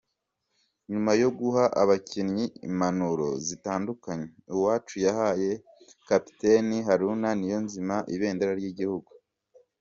Nyuma yo guha abakinnyi impanuro zitandukanye, Uwacu yahaye kapiteni Haruna Niyonzima ibendera ry’igihugu.